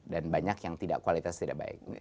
dan banyak yang kualitasnya tidak baik